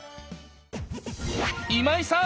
今井さん！